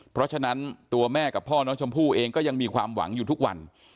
เพราะฉะนั้นตัวแม่กับพ่อน้องชมพู่เองก็ยังมีความหวังอยู่ทุกวัน